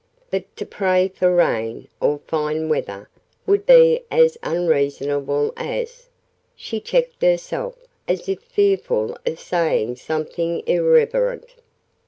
But to pray for rain, or fine weather, would be as unreasonable as " she checked herself, as if fearful of saying something irreverent.